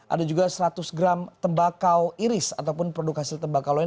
ada juga seratus gram tembakau iris ataupun produk hasil tembakau lain